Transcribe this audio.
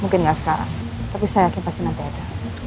mungkin nggak sekarang tapi saya yakin pasti nanti ada